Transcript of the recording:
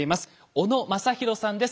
小野雅裕さんです。